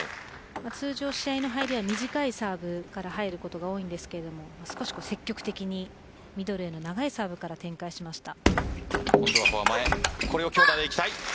通常試合の入りは短いサーブから入ることが多いんですけど少し積極的にミドルへ長いサーブから展開しました。